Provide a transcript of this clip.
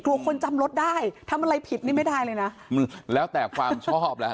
คนจำรถได้ทำอะไรผิดนี่ไม่ได้เลยนะมันแล้วแต่ความชอบแล้วฮ